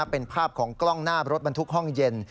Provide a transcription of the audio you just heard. เป็นภาพของกล้องหน้ารถบรรทุกห้องเย็น